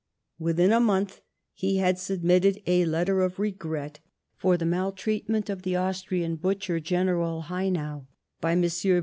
Within a month he had submitted a letter of regret for the maltreatment 'of the " Austrian butcher " General Haynau, by Messrs.